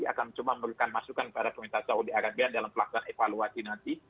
akan cuma memberikan masukan kepada pemerintah saudi arabia dalam pelaksanaan evaluasi nanti